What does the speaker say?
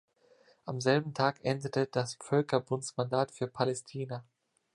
Am selben Tag endete das Völkerbundsmandat für Palästina.